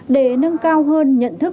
để nâng cao hơn nhận thức